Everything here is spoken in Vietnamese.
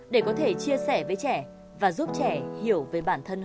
để có thể chia sẻ với trẻ và giúp trẻ hiểu về bản thân họ